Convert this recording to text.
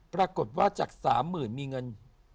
ปรากฏว่าจาก๓๐๐๐มีเงิน